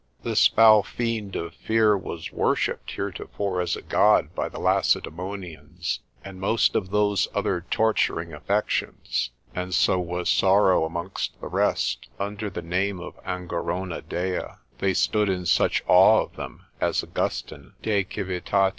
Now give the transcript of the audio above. This foul fiend of fear was worshipped heretofore as a god by the Lacedaemonians, and most of those other torturing affections, and so was sorrow amongst the rest, under the name of Angerona Dea, they stood in such awe of them, as Austin, de Civitat.